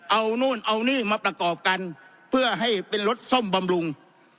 เอานู่นเอานี่มาประกอบกันเพื่อให้เป็นรถซ่อมบำรุง